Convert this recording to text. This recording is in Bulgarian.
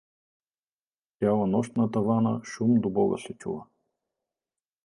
Цяла нощ на тавана шум до бога се чува.